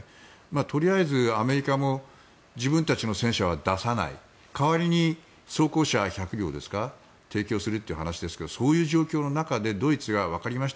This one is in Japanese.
とりあえずアメリカも自分たちの戦車は出さない代わりに装甲車１００両ですか提供するという話ですがそういう状況の中でドイツがわかりました